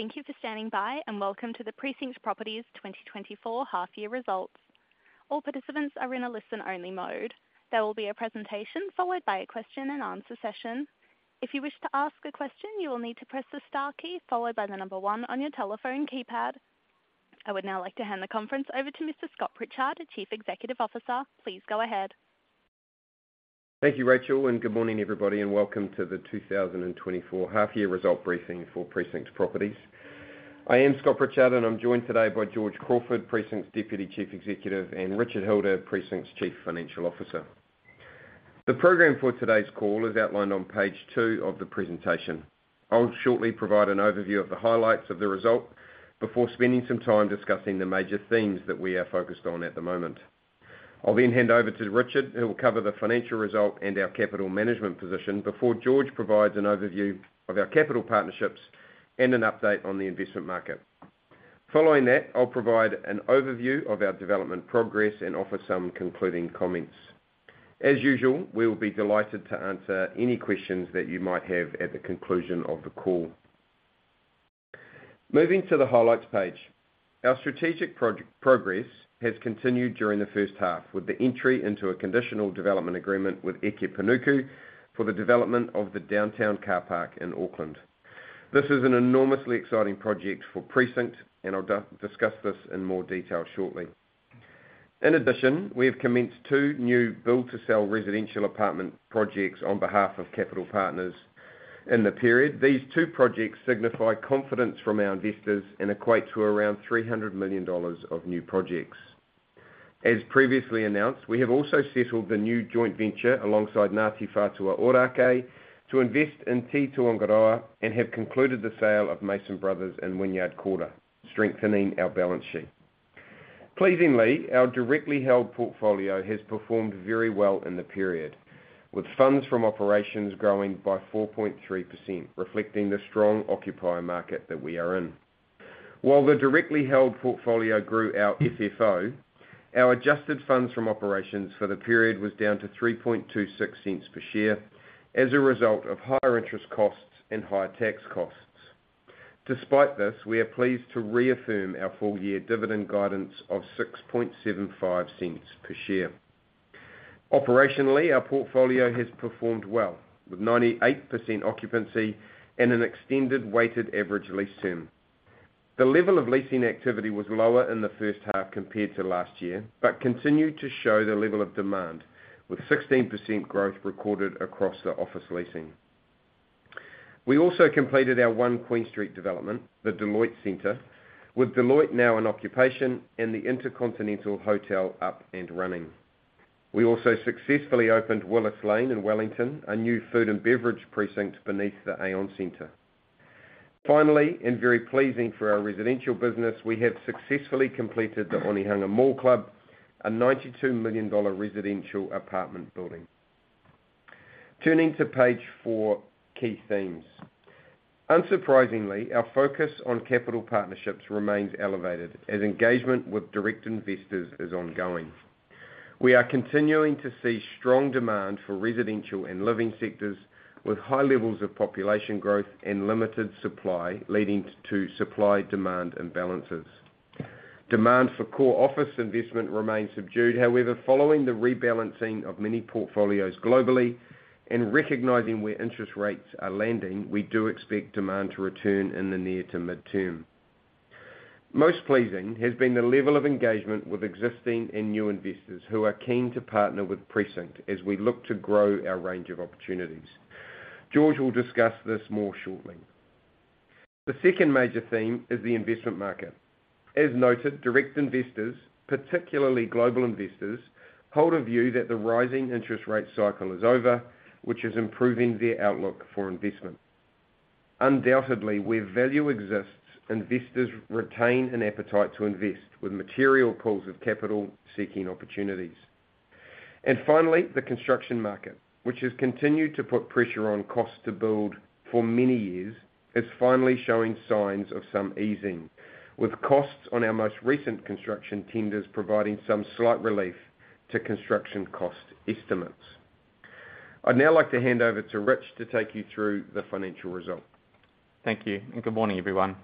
Thank you for standing by, and welcome to the Precinct Properties 2024 half-year results. All participants are in a listen-only mode. There will be a presentation, followed by a question and answer session. If you wish to ask a question, you will need to press the star key followed by the number one on your telephone keypad. I would now like to hand the conference over to Mr. Scott Pritchard, the Chief Executive Officer. Please go ahead. Thank you, Rachel, and good morning, everybody, and welcome to the 2024 half-year result briefing for Precinct Properties. I am Scott Pritchard, and I'm joined today by George Crawford, Precinct's Deputy Chief Executive, and Richard Hilder, Precinct's Chief Financial Officer. The program for today's call is outlined on page two of the presentation. I'll shortly provide an overview of the highlights of the result before spending some time discussing the major themes that we are focused on at the moment. I'll then hand over to Richard, who will cover the financial result and our capital management position before George provides an overview of our capital partnerships and an update on the investment market. Following that, I'll provide an overview of our development progress and offer some concluding comments. As usual, we will be delighted to answer any questions that you might have at the conclusion of the call. Moving to the highlights page. Our strategic progress has continued during the first half with the entry into a conditional development agreement with Eke Panuku for the development of the Downtown Car Park in Auckland. This is an enormously exciting project for Precinct, and I'll discuss this in more detail shortly. In addition, we have commenced two new build-to-sell residential apartment projects on behalf of Capital Partners. In the period, these two projects signify confidence from our investors and equate to around 300 million dollars of new projects. As previously announced, we have also settled the new joint venture alongside Ngāti Whātua Ōrākei to invest in Te Tōangaroa and have concluded the sale of Mason Brothers in Wynyard Quarter, strengthening our balance sheet. Pleasingly, our directly held portfolio has performed very well in the period, with funds from operations growing by 4.3%, reflecting the strong occupier market that we are in. While the directly held portfolio grew our FFO, our adjusted funds from operations for the period was down to 0.0326 per share as a result of higher interest costs and higher tax costs. Despite this, we are pleased to reaffirm our full-year dividend guidance of 0.0675 per share. Operationally, our portfolio has performed well, with 98% occupancy and an extended weighted average lease term. The level of leasing activity was lower in the first half compared to last year, but continued to show the level of demand, with 16% growth recorded across the office leasing. We also completed our One Queen Street development, the Deloitte Centre, with Deloitte now in occupation and the InterContinental Hotel up and running. We also successfully opened Willis Lane in Wellington, a new food and beverage precinct beneath the Aon Centre. Finally, and very pleasing for our residential business, we have successfully completed the Onehunga Mall Club, a 92 million dollar residential apartment building. Turning to page four, key themes. Unsurprisingly, our focus on capital partnerships remains elevated as engagement with direct investors is ongoing. We are continuing to see strong demand for residential and living sectors, with high levels of population growth and limited supply, leading to supply-demand imbalances. Demand for core office investment remains subdued. However, following the rebalancing of many portfolios globally and recognizing where interest rates are landing, we do expect demand to return in the near to mid-term. Most pleasing has been the level of engagement with existing and new investors who are keen to partner with Precinct as we look to grow our range of opportunities. George will discuss this more shortly. The second major theme is the investment market. As noted, direct investors, particularly global investors, hold a view that the rising interest rate cycle is over, which is improving their outlook for investment. Undoubtedly, where value exists, investors retain an appetite to invest with material pools of capital, seeking opportunities. And finally, the construction market, which has continued to put pressure on cost to build for many years, is finally showing signs of some easing, with costs on our most recent construction tenders providing some slight relief to construction cost estimates. I'd now like to hand over to Rich to take you through the financial result. Thank you, and good morning, everyone.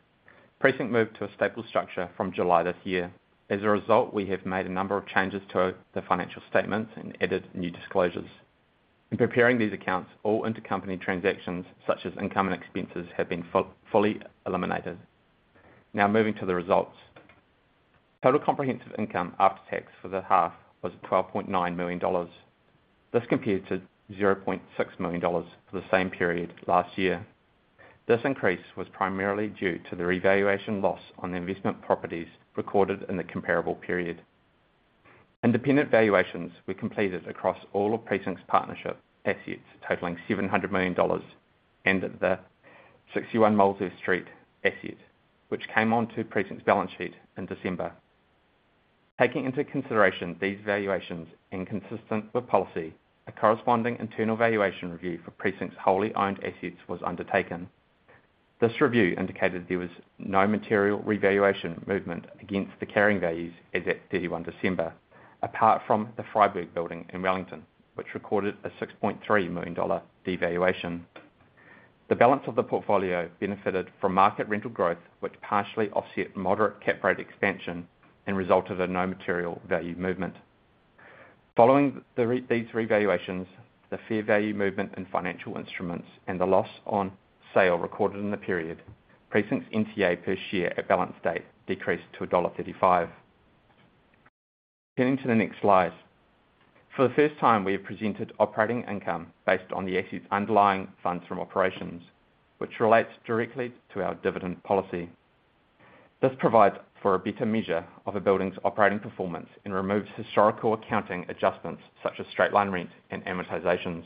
Precinct moved to a stable structure from July this year. As a result, we have made a number of changes to the financial statements and added new disclosures. In preparing these accounts, all intercompany transactions, such as income and expenses, have been fully eliminated. Now moving to the results. Total comprehensive income after tax for the half was 12.9 million dollars. This compared to 0.6 million dollars for the same period last year. This increase was primarily due to the revaluation loss on investment properties recorded in the comparable period. Independent valuations were completed across all of Precinct's partnership assets, totaling 700 million dollars, and the 61 Molesworth Street asset, which came onto Precinct's balance sheet in December. Taking into consideration these valuations and consistent with policy, a corresponding internal valuation review for Precinct's wholly owned assets was undertaken. This review indicated there was no material revaluation movement against the carrying values as at 31 December, apart from the Freyberg Building in Wellington, which recorded a 6.3 million dollar devaluation. The balance of the portfolio benefited from market rental growth, which partially offset moderate cap rate expansion and resulted in no material value movement. Following these revaluations, the fair value movement in financial instruments, and the loss on sale recorded in the period, Precinct's NTA per share at balance date decreased to dollar 1.35. Getting to the next slide. For the first time, we have presented operating income based on the asset's underlying funds from operations, which relates directly to our dividend policy. This provides for a better measure of a building's operating performance and removes historical accounting adjustments, such as straight-line rent and amortizations.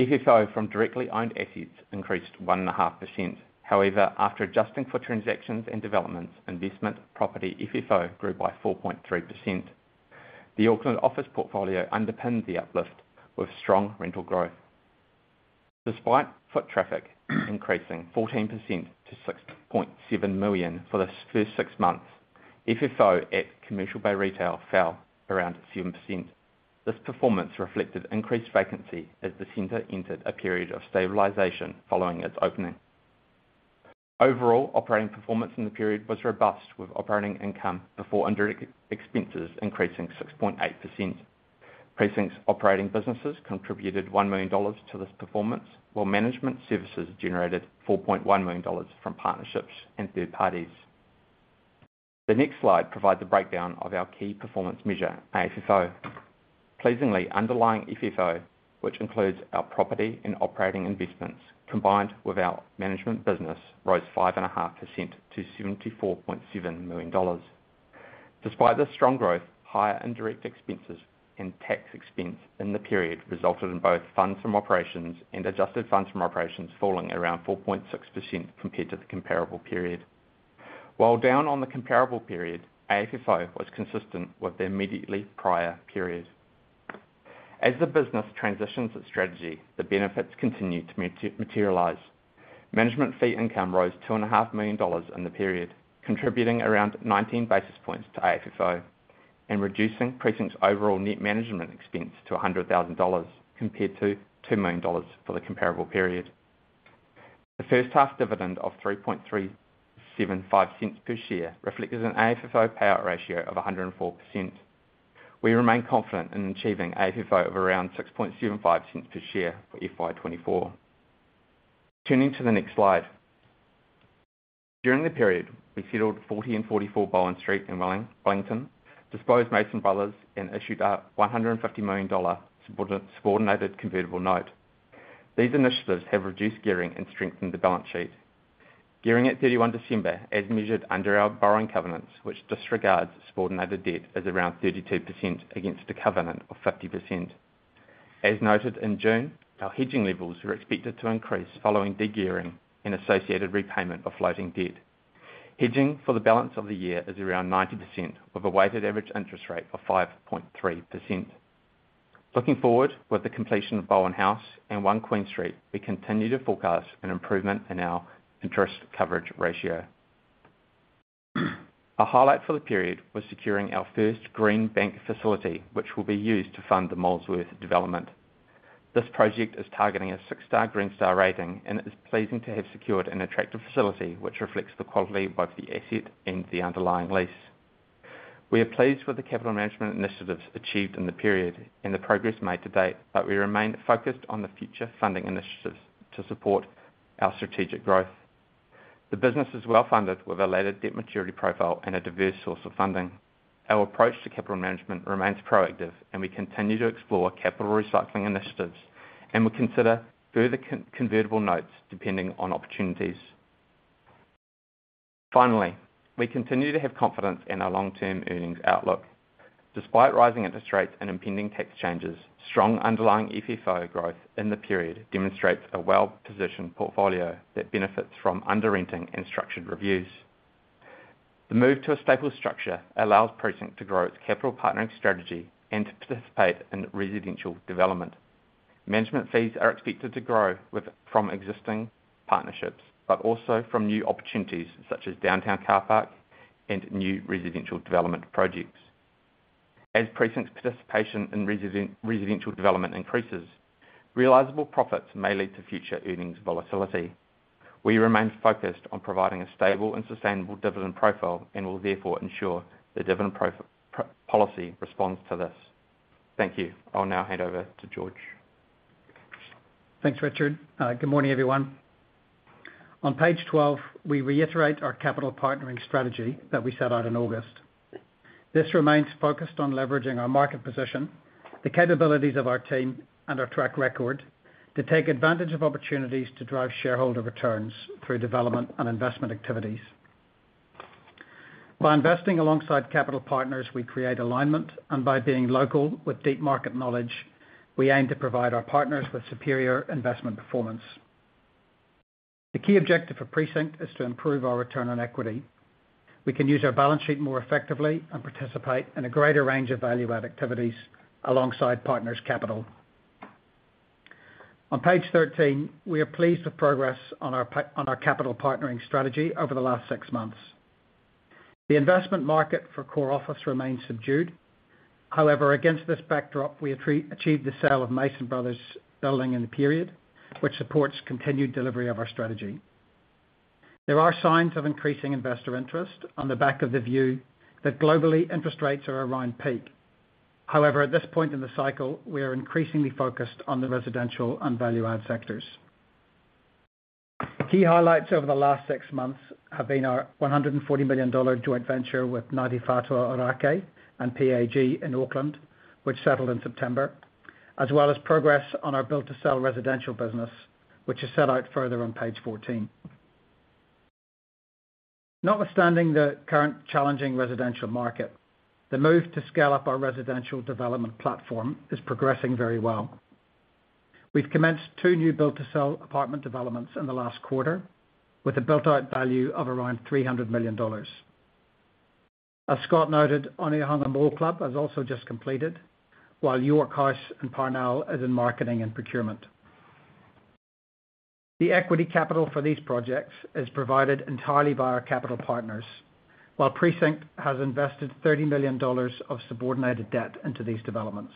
FFO from directly owned assets increased 1.5%. However, after adjusting for transactions and developments, investment property FFO grew by 4.3%. The Auckland office portfolio underpinned the uplift with strong rental growth. Despite foot traffic increasing 14% to 6.7 million for the first six months, FFO at Commercial Bay Retail fell around 7%. This performance reflected increased vacancy, as the center entered a period of stabilization following its opening. Overall, operating performance in the period was robust, with operating income before indirect expenses increasing 6.8%. Precinct's operating businesses contributed 1 million dollars to this performance, while management services generated 4.1 million dollars from partnerships and third parties. The next slide provides a breakdown of our key performance measure, AFFO. Pleasingly, underlying FFO, which includes our property and operating investments, combined with our management business, rose 5.5% to 74.7 million dollars. Despite this strong growth, higher indirect expenses and tax expense in the period resulted in both funds from operations and adjusted funds from operations falling around 4.6% compared to the comparable period. While down on the comparable period, AFFO was consistent with the immediately prior period. As the business transitions its strategy, the benefits continue to materialize. Management fee income rose 2.5 million dollars in the period, contributing around 19 basis points to AFFO and reducing Precinct's overall net management expense to 100,000 dollars, compared to 2 million dollars for the comparable period. The first half dividend of 0.03375 per share reflects an AFFO payout ratio of 104%. We remain confident in achieving AFFO of around 0.0675 per share for FY 2024. Turning to the next slide. During the period, we settled 40 and 44 Bowen Street in Wellington, disposed Mason Brothers, and issued a 150 million dollar subordinated convertible note. These initiatives have reduced gearing and strengthened the balance sheet. Gearing at 31 December, as measured under our borrowing covenants, which disregards subordinated debt, is around 32% against a covenant of 50%. As noted in June, our hedging levels are expected to increase following de-gearing and associated repayment of floating debt. Hedging for the balance of the year is around 90%, with a weighted average interest rate of 5.3%. Looking forward, with the completion of Bowen House and One Queen Street, we continue to forecast an improvement in our interest coverage ratio. A highlight for the period was securing our first green bank facility, which will be used to fund the Molesworth development. This project is targeting a six-star Green Star rating, and it is pleasing to have secured an attractive facility, which reflects the quality of both the asset and the underlying lease. We are pleased with the capital management initiatives achieved in the period and the progress made to date, but we remain focused on the future funding initiatives to support our strategic growth. The business is well funded, with a ladder debt maturity profile and a diverse source of funding. Our approach to capital management remains proactive, and we continue to explore capital recycling initiatives, and we consider further convertible notes depending on opportunities. Finally, we continue to have confidence in our long-term earnings outlook. Despite rising interest rates and impending tax changes, strong underlying FFO growth in the period demonstrates a well-positioned portfolio that benefits from under-renting and structured reviews. The move to a stable structure allows Precinct to grow its capital partnering strategy and to participate in residential development. Management fees are expected to grow from existing partnerships, but also from new opportunities, such as Downtown Car Park and new residential development projects. As Precinct's participation in residential development increases, realizable profits may lead to future earnings volatility. We remain focused on providing a stable and sustainable dividend profile and will therefore ensure the dividend policy responds to this. Thank you. I'll now hand over to George. Thanks, Richard. Good morning, everyone. On page 12, we reiterate our capital partnering strategy that we set out in August. This remains focused on leveraging our market position, the capabilities of our team, and our track record, to take advantage of opportunities to drive shareholder returns through development and investment activities. By investing alongside capital partners, we create alignment, and by being local with deep market knowledge, we aim to provide our partners with superior investment performance. The key objective for Precinct is to improve our return on equity. We can use our balance sheet more effectively and participate in a greater range of value-add activities alongside partners' capital. On page 13, we are pleased with progress on our capital partnering strategy over the last six months. The investment market for core office remains subdued. However, against this backdrop, we achieved the sale of Mason Brothers building in the period, which supports continued delivery of our strategy. There are signs of increasing investor interest on the back of the view that globally interest rates are around peak. However, at this point in the cycle, we are increasingly focused on the residential and value-add sectors. Key highlights over the last six months have been our 140 million dollar joint venture with Ngāti Whātua Ōrākei and PAG in Auckland, which settled in September, as well as progress on our build-to-sell residential business, which is set out further on page 14. Notwithstanding the current challenging residential market, the move to scale up our residential development platform is progressing very well. We've commenced two new build-to-sell apartment developments in the last quarter, with a built-out value of around 300 million dollars. As Scott noted, Onehunga Mall Club has also just completed, while York House and Parnell is in marketing and procurement. The equity capital for these projects is provided entirely by our capital partners, while Precinct has invested 30 million dollars of subordinated debt into these developments.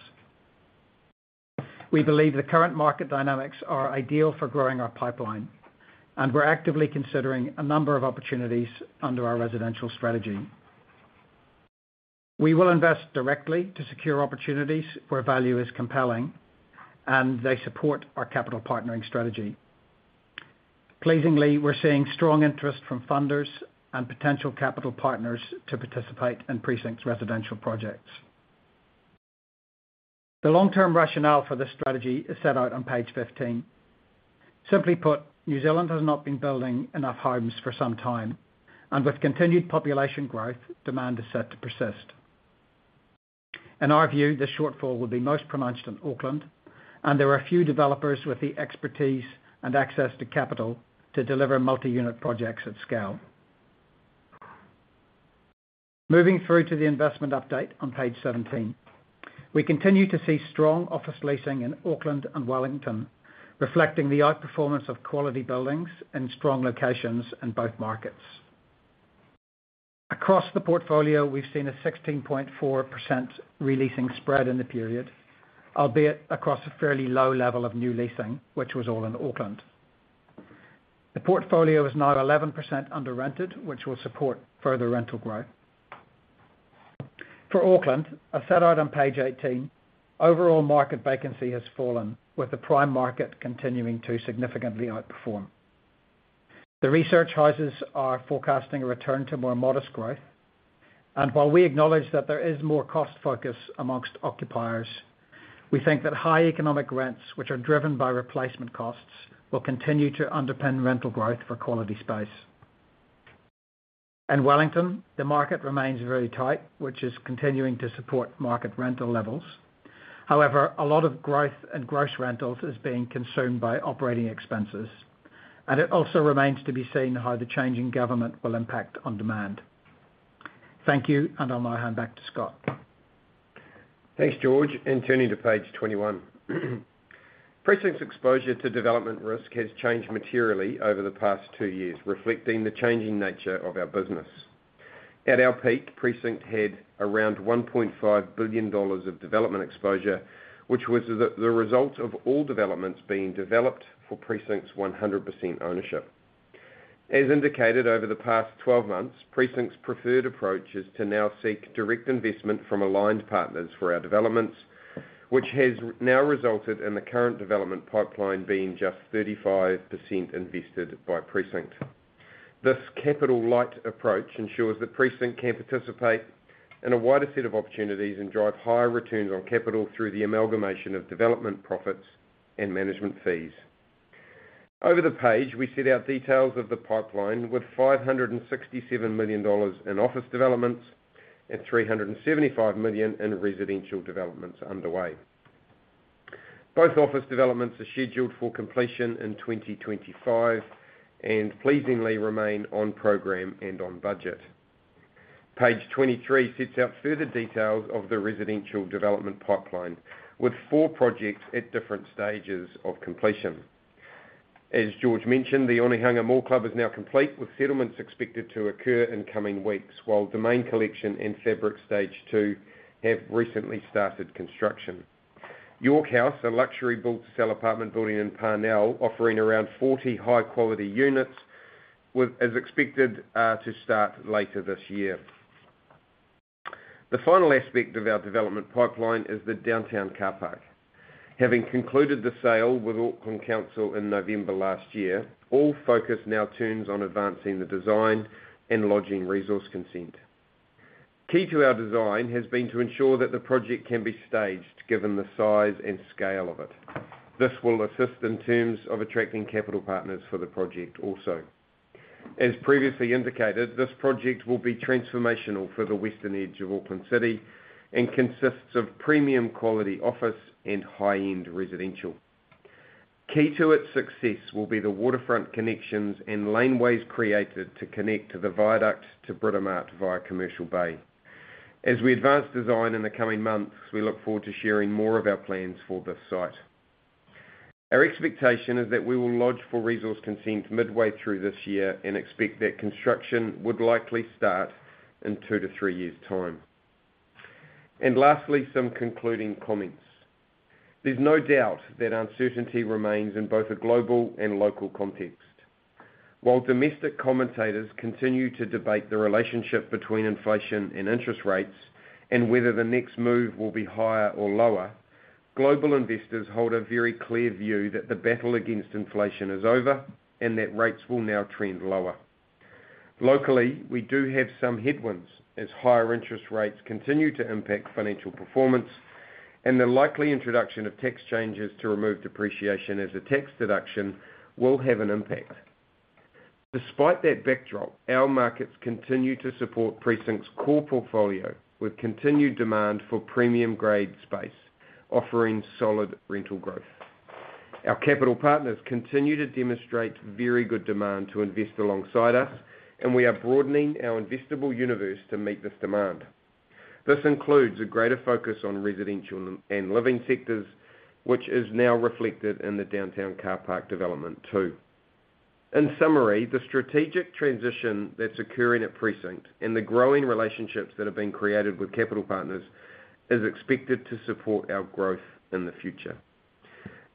We believe the current market dynamics are ideal for growing our pipeline, and we're actively considering a number of opportunities under our residential strategy. We will invest directly to secure opportunities where value is compelling, and they support our capital partnering strategy. Pleasingly, we're seeing strong interest from funders and potential capital partners to participate in Precinct's residential projects. The long-term rationale for this strategy is set out on page 15. Simply put, New Zealand has not been building enough homes for some time, and with continued population growth, demand is set to persist. In our view, this shortfall will be most pronounced in Auckland, and there are a few developers with the expertise and access to capital to deliver multi-unit projects at scale. Moving through to the investment update on page 17. We continue to see strong office leasing in Auckland and Wellington, reflecting the outperformance of quality buildings and strong locations in both markets. Across the portfolio, we've seen a 16.4% re-leasing spread in the period, albeit across a fairly low level of new leasing, which was all in Auckland. The portfolio is now 11% under rented, which will support further rental growth. For Auckland, as set out on page 18, overall market vacancy has fallen, with the prime market continuing to significantly outperform. The research houses are forecasting a return to more modest growth, and while we acknowledge that there is more cost focus among occupiers, we think that high economic rents, which are driven by replacement costs, will continue to underpin rental growth for quality space. In Wellington, the market remains very tight, which is continuing to support market rental levels. However, a lot of growth and gross rentals is being consumed by operating expenses, and it also remains to be seen how the change in government will impact on demand. Thank you, and I'll now hand back to Scott. Thanks, George, and turning to page 21. Precinct's exposure to development risk has changed materially over the past two years, reflecting the changing nature of our business. At our peak, Precinct had around 1.5 billion dollars of development exposure, which was the result of all developments being developed for Precinct's 100% ownership. As indicated, over the past 12 months, Precinct's preferred approach is to now seek direct investment from aligned partners for our developments, which has now resulted in the current development pipeline being just 35% invested by Precinct. This capital light approach ensures that Precinct can participate in a wider set of opportunities and drive higher returns on capital through the amalgamation of development, profits, and management fees. Over the page, we set out details of the pipeline with 567 million dollars in office developments and 375 million in residential developments underway. Both office developments are scheduled for completion in 2025 and pleasingly remain on program and on budget. Page 23 sets out further details of the residential development pipeline, with four projects at different stages of completion. As George mentioned, the Onehunga Mall Club is now complete, with settlements expected to occur in coming weeks, while Domain Collection and Fabric Stage Two have recently started construction. York House, a luxury build-to-sell apartment building in Parnell, offering around 40 high-quality units, is expected to start later this year. The final aspect of our development pipeline is the Downtown Car Park. Having concluded the sale with Auckland Council in November last year, all focus now turns on advancing the design and lodging resource consent. Key to our design has been to ensure that the project can be staged, given the size and scale of it. This will assist in terms of attracting capital partners for the project also. As previously indicated, this project will be transformational for the western edge of Auckland City and consists of premium quality office and high-end residential. Key to its success will be the waterfront connections and laneways created to connect to the viaduct to Britomart via Commercial Bay…. As we advance design in the coming months, we look forward to sharing more of our plans for this site. Our expectation is that we will lodge for resource consent midway through this year, and expect that construction would likely start in two-three years' time. Lastly, some concluding comments. There's no doubt that uncertainty remains in both a global and local context. While domestic commentators continue to debate the relationship between inflation and interest rates and whether the next move will be higher or lower, global investors hold a very clear view that the battle against inflation is over and that rates will now trend lower. Locally, we do have some headwinds as higher interest rates continue to impact financial performance, and the likely introduction of tax changes to remove depreciation as a tax deduction will have an impact. Despite that backdrop, our markets continue to support Precinct's core portfolio, with continued demand for premium grade space, offering solid rental growth. Our capital partners continue to demonstrate very good demand to invest alongside us, and we are broadening our investable universe to meet this demand. This includes a greater focus on residential and living sectors, which is now reflected in the Downtown Car Park development, too. In summary, the strategic transition that's occurring at Precinct and the growing relationships that have been created with capital partners is expected to support our growth in the future.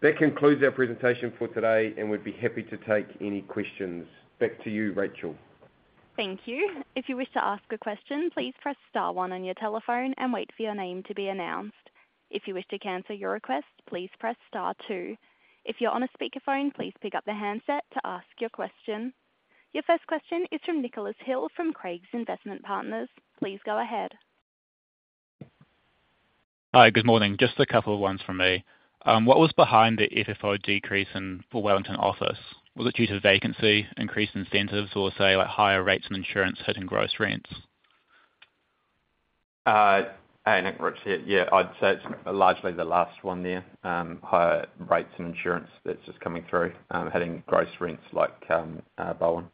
That concludes our presentation for today, and we'd be happy to take any questions. Back to you, Rachel. Thank you. If you wish to ask a question, please press star one on your telephone and wait for your name to be announced. If you wish to cancel your request, please press star two. If you're on a speakerphone, please pick up the handset to ask your question. Your first question is from Nicholas Hill from Craigs Investment Partners. Please go ahead. Hi, good morning. Just a couple of ones from me. What was behind the FFO decrease in for Wellington Office? Was it due to vacancy, increased incentives, or say, like higher rates and insurance hitting gross rents? Hey, Nick, Rich here. Yeah, I'd say it's largely the last one there, higher rates and insurance that's just coming through, hitting gross rents like, Bowen.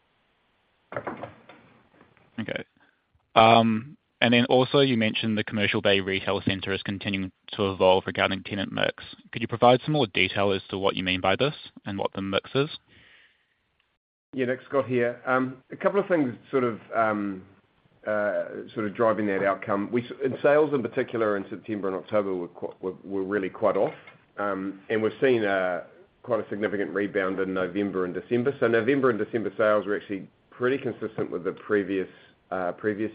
Okay. And then also you mentioned the Commercial Bay Retail Center is continuing to evolve regarding tenant mix. Could you provide some more detail as to what you mean by this and what the mix is? Yeah, Nick, Scott here. A couple of things sort of driving that outcome. We and sales in particular in September and October were really quite off. And we've seen quite a significant rebound in November and December. So November and December sales were actually pretty consistent with the previous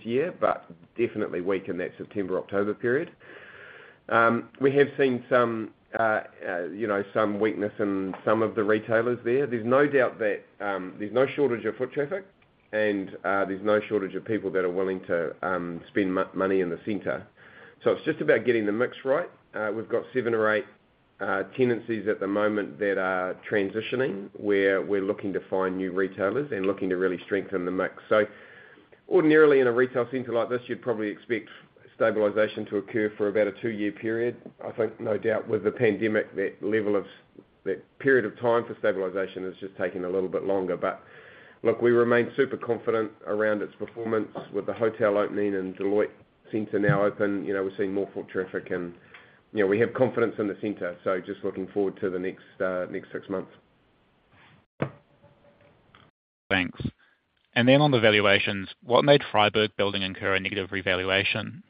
year, but definitely weak in that September-October period. We have seen some, you know, some weakness in some of the retailers there. There's no doubt that there's no shortage of foot traffic and there's no shortage of people that are willing to spend money in the center. So it's just about getting the mix right. We've got seven or eight tenancies at the moment that are transitioning, where we're looking to find new retailers and looking to really strengthen the mix. So ordinarily, in a retail center like this, you'd probably expect stabilization to occur for about a two-year period. I think, no doubt with the pandemic, that level of, that period of time for stabilization has just taken a little bit longer. But look, we remain super confident around its performance with the hotel opening and Deloitte Centre now open, you know, we're seeing more foot traffic and, you know, we have confidence in the center, so just looking forward to the next 6 months. Thanks. On the valuations, what made Freyberg Building incur a negative revaluation?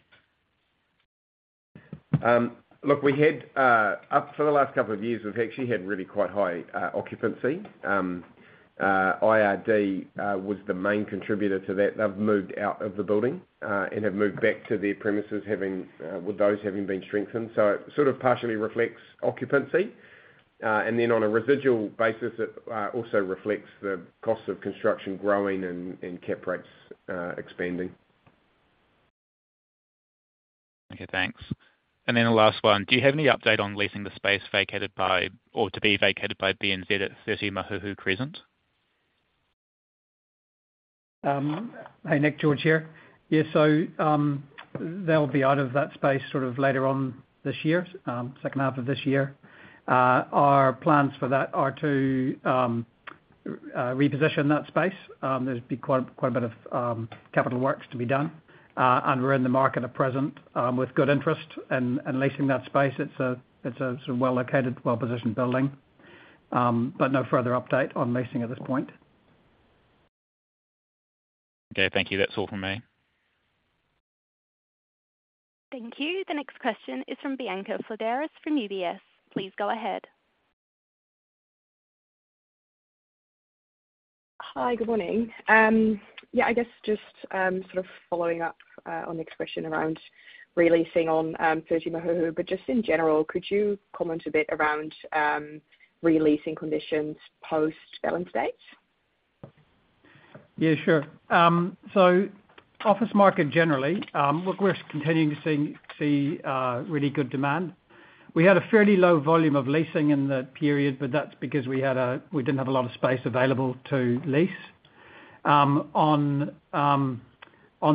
Look, we had for the last couple of years, we've actually had really quite high occupancy. IRD was the main contributor to that. They've moved out of the building and have moved back to their premises, having with those having been strengthened. So it sort of partially reflects occupancy. And then on a residual basis, it also reflects the cost of construction growing and cap rates expanding. Okay, thanks. And then the last one: Do you have any update on leasing the space vacated by or to be vacated by BNZ at 30 Mahuhu Crescent? Hi, Nick, George here. Yeah, so, they'll be out of that space sort of later on this year, second half of this year. Our plans for that are to reposition that space. There's been quite a bit of capital works to be done, and we're in the market at present, with good interest and leasing that space. It's a well-located, well-positioned building, but no further update on leasing at this point. Okay, thank you. That's all from me. Thank you. The next question is from Bianca Flogeras from UBS. Please go ahead. Hi, good morning. Yeah, I guess just sort of following up on the question around re-leasing on 30 Mahuhu, but just in general, could you comment a bit around re-leasing conditions post settlement date? Yeah, sure. So office market generally, look, we're continuing to see really good demand. We had a fairly low volume of leasing in the period, but that's because we didn't have a lot of space available to lease. On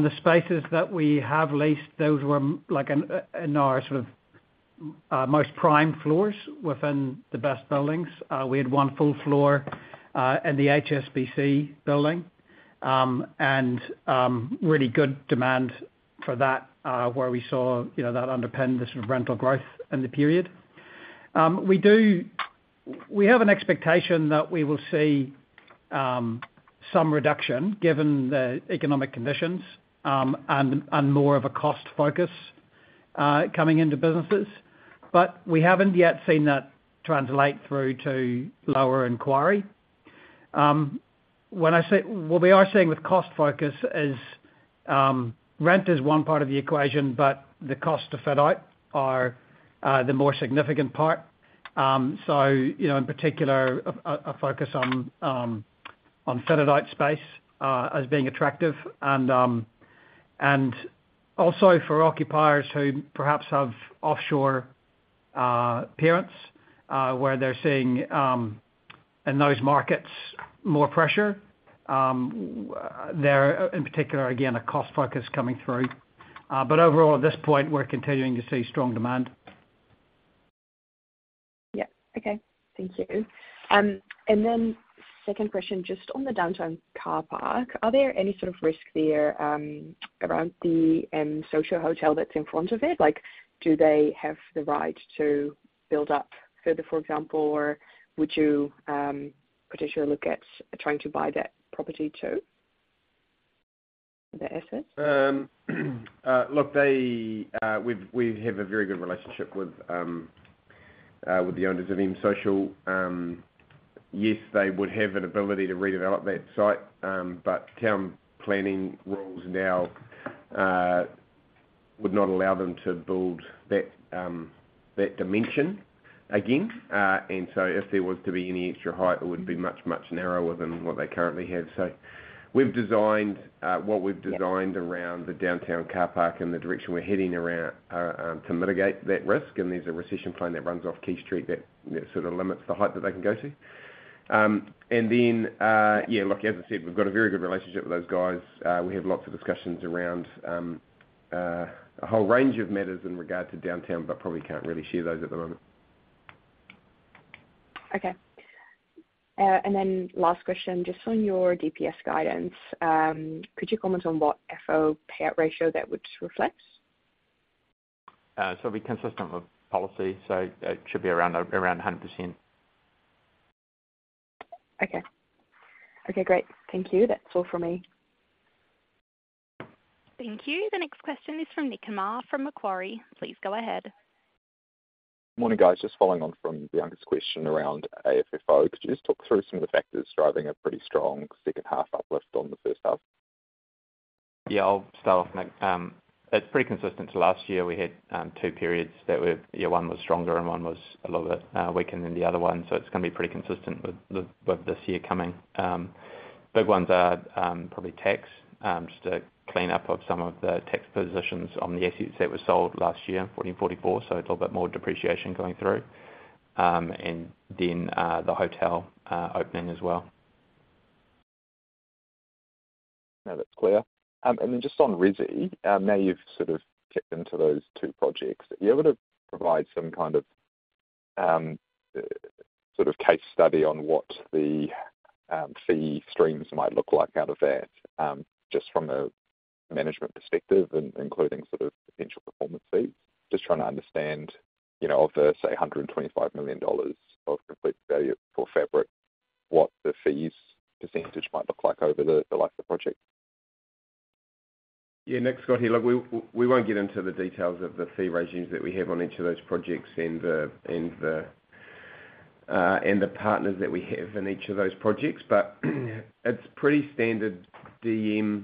the spaces that we have leased, those were like our most prime floors within the best buildings. We had one full floor in the HSBC building. And really good demand for that, where we saw, you know, that underpin the sort of rental growth in the period. We have an expectation that we will see some reduction, given the economic conditions, and more of a cost focus coming into businesses. But we haven't yet seen that translate through to lower inquiry. When I say what we are seeing with cost focus is, rent is one part of the equation, but the cost of fit out are the more significant part. So, you know, in particular, a focus on fit out space as being attractive. And also for occupiers who perhaps have offshore parents where they're seeing in those markets, more pressure. There, in particular, again, a cost focus coming through. But overall, at this point, we're continuing to see strong demand. Yeah. Okay. Thank you. And then second question, just on the Downtown Car Park, are there any sort of risk there, around the social hotel that's in front of it? Like, do they have the right to build up further, for example, or would you potentially look at trying to buy that property, too, the asset? Look, we have a very good relationship with the owners of M Social. Yes, they would have an ability to redevelop that site, but town planning rules now would not allow them to build that dimension again. And so if there was to be any extra height, it would be much, much narrower than what they currently have. So we've designed what we've designed- Yep. -around the Downtown Car Park and the direction we're heading around to mitigate that risk. And there's a restriction plan that runs off Queen Street that sort of limits the height that they can go to. And then, yeah, look, as I said, we've got a very good relationship with those guys. We have lots of discussions around a whole range of matters in regard to downtown, but probably can't really share those at the moment. Okay. And then last question, just on your DPS guidance, could you comment on what FO payout ratio that would reflect? So it'll be consistent with policy, so it should be around 100%. Okay. Okay, great. Thank you. That's all for me. Thank you. The next question is from Nick Mar, from Macquarie. Please go ahead. Morning, guys. Just following on from Bianca's question around AFFO. Could you just talk through some of the factors driving a pretty strong second half uplift on the first half? Yeah, I'll start off, Nick. It's pretty consistent to last year. We had two periods that were... Yeah, one was stronger and one was a little bit weaker than the other one, so it's gonna be pretty consistent with this year coming. Big ones are probably tax, just a cleanup of some of the tax positions on the assets that were sold last year, 1444, so a little bit more depreciation going through. And then the hotel opening as well. Now that's clear. And then just on resi, now you've sort of kicked into those two projects. Are you able to provide some kind of, sort of case study on what the, fee streams might look like out of that, just from a management perspective, including sort of potential performance fees? Just trying to understand, you know, of the, say, 125 million dollars of complete value for Fabric, what the fees percentage might look like over the life of the project. Yeah, Nick, Scott here. Look, we won't get into the details of the fee regimes that we have on each of those projects and the partners that we have in each of those projects. But it's pretty standard DM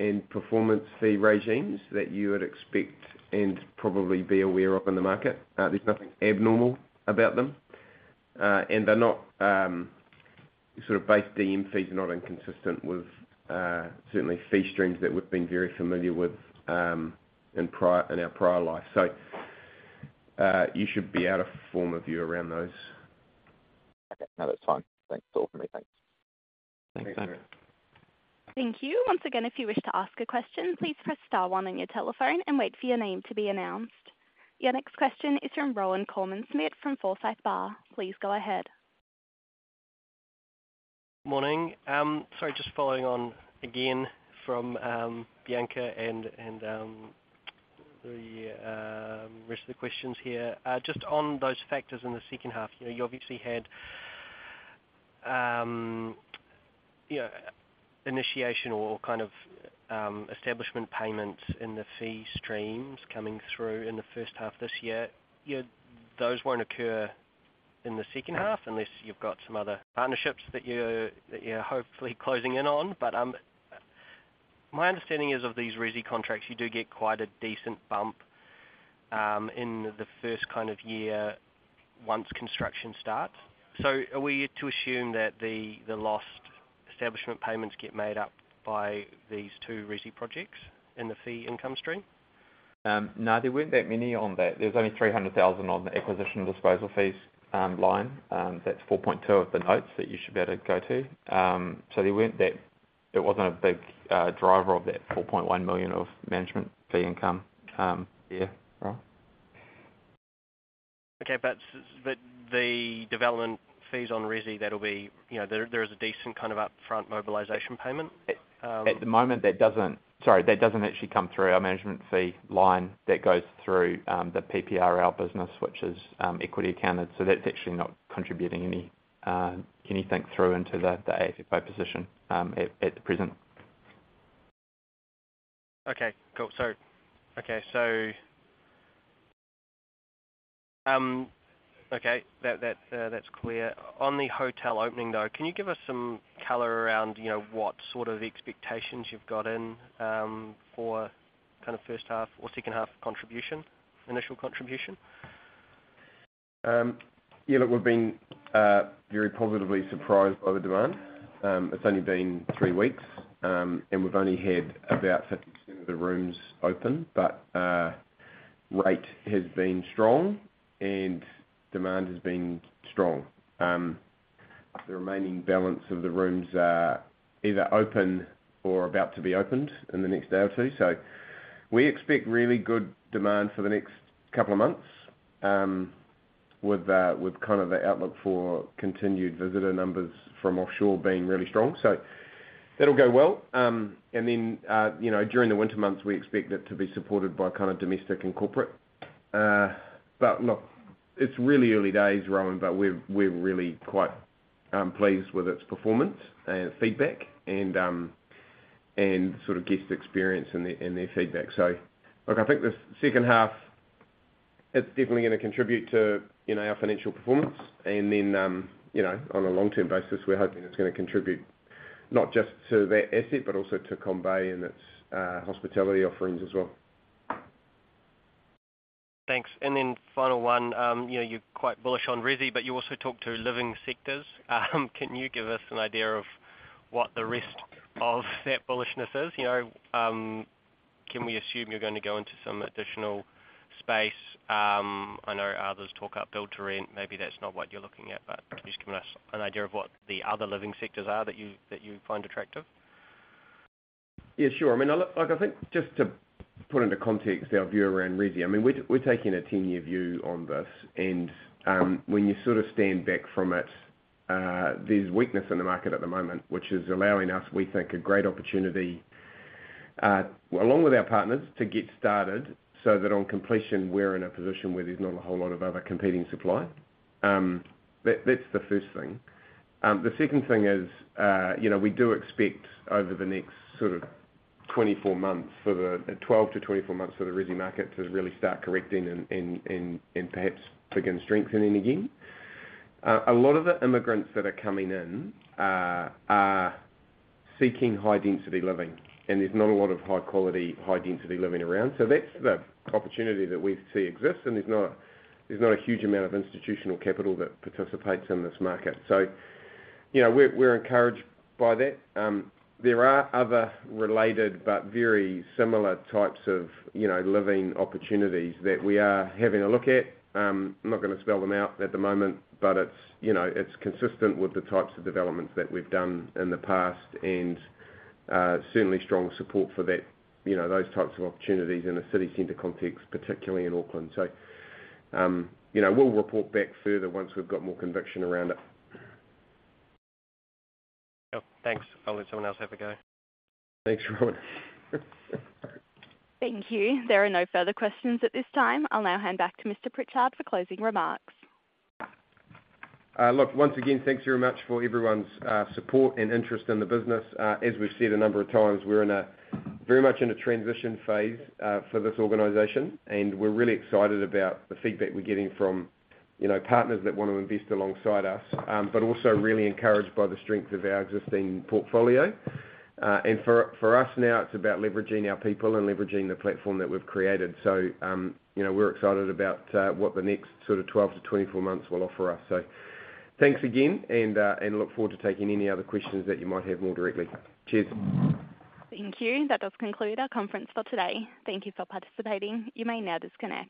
and performance fee regimes that you would expect and probably be aware of in the market. There's nothing abnormal about them, and they're not sort of base DM fees are not inconsistent with certainly fee streams that we've been very familiar with in our prior life. So you should be able to form a view around those. Okay. No, that's fine. Thanks. All for me. Thanks. Thanks. Bye. Thank you. Once again, if you wish to ask a question, please press star one on your telephone and wait for your name to be announced. Your next question is from Rohan Koreman-Smith, from Forsyth Barr. Please go ahead. Morning. Sorry, just following on again from Bianca and the rest of the questions here. Just on those factors in the second half, you know, you obviously had, you know, initiation or kind of establishment payments in the fee streams coming through in the first half of this year. Yeah, those won't occur in the second half unless you've got some other partnerships that you're hopefully closing in on. But my understanding is, of these resi contracts, you do get quite a decent bump in the first kind of year once construction starts. So are we to assume that the lost establishment payments get made up by these two resi projects in the fee income stream? No, there weren't that many on that. There was only 300,000 on the acquisition and disposal fees line. That's 4.2 of the notes that you should be able to go to. So there weren't that-... It wasn't a big driver of that 4.1 million of management fee income, yeah, right? Okay, but the development fees on resi, that'll be, you know, there, there is a decent kind of upfront mobilization payment. At the moment, that doesn't. Sorry, that doesn't actually come through our management fee line. That goes through the PPRL business, which is equity accounted. So that's actually not contributing any anything through into the AFFO position at the present. Okay, cool. So, that's clear. On the hotel opening, though, can you give us some color around, you know, what sort of expectations you've got in for kinda first half or second half contribution, initial contribution? Yeah, look, we've been very positively surprised by the demand. It's only been three weeks, and we've only had about 50% of the rooms open, but rate has been strong and demand has been strong. The remaining balance of the rooms are either open or about to be opened in the next day or two. So we expect really good demand for the next couple of months, with kind of the outlook for continued visitor numbers from offshore being really strong. So that'll go well. And then, you know, during the winter months, we expect it to be supported by kind of domestic and corporate. But look, it's really early days, Rohan, but we're really quite pleased with its performance and feedback and sort of guest experience and their feedback. Look, I think the second half, it's definitely gonna contribute to, you know, our financial performance. Then, you know, on a long-term basis, we're hoping it's gonna contribute not just to that asset, but also to Commercial Bay and its hospitality offerings as well. Thanks. And then final one, you know, you're quite bullish on resi, but you also talk to living sectors. Can you give us an idea of what the rest of that bullishness is? You know, can we assume you're gonna go into some additional space? I know others talk up build-to-rent. Maybe that's not what you're looking at, but can you just give us an idea of what the other living sectors are that you, that you find attractive? Yeah, sure. I mean, look, I think just to put into context our view around resi, I mean, we're taking a 10-year view on this, and when you sort of stand back from it, there's weakness in the market at the moment, which is allowing us, we think, a great opportunity, along with our partners, to get started so that on completion, we're in a position where there's not a whole lot of other competing supply. That, that's the first thing. The second thing is, you know, we do expect over the next sort of 24 months, for the 12-24 months, the resi market to really start correcting and perhaps begin strengthening again. A lot of the immigrants that are coming in are seeking high-density living, and there's not a lot of high quality, high-density living around. So that's the opportunity that we see exists, and there's not a huge amount of institutional capital that participates in this market. So, you know, we're encouraged by that. There are other related but very similar types of, you know, living opportunities that we are having a look at. I'm not gonna spell them out at the moment, but it's, you know, it's consistent with the types of developments that we've done in the past, and certainly strong support for that, you know, those types of opportunities in a city center context, particularly in Auckland. So, you know, we'll report back further once we've got more conviction around it. Cool. Thanks. I'll let someone else have a go. Thanks, Rowan. Thank you. There are no further questions at this time. I'll now hand back to Mr. Pritchard for closing remarks. Look, once again, thanks very much for everyone's support and interest in the business. As we've said a number of times, we're in a very much in a transition phase for this organization, and we're really excited about the feedback we're getting from, you know, partners that want to invest alongside us. But also really encouraged by the strength of our existing portfolio. And for us now, it's about leveraging our people and leveraging the platform that we've created. So, you know, we're excited about what the next sort of 12-24 months will offer us. So, thanks again, and look forward to taking any other questions that you might have more directly. Cheers. Thank you. That does conclude our conference for today. Thank you for participating. You may now disconnect.